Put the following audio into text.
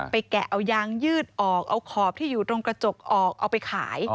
แกะเอายางยืดออกเอาขอบที่อยู่ตรงกระจกออกเอาไปขาย